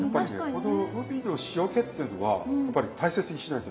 海の塩気っていうのはやっぱり大切にしないとね。